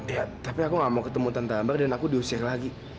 ya tapi aku gak mau ketemu tetangga dan aku diusir lagi